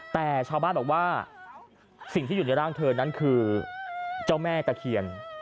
แต่ชาวบ้านบอกว่าสิ่งที่อยู่ในร่างเธอนั้นคือเจ้าแม่ตะเคียน